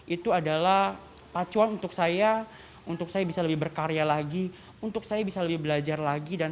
itu adalah pacuan untuk saya untuk saya bisa lebih berkarya lagi untuk saya bisa lebih belajar lagi dan